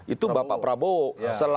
itu bapak pramowo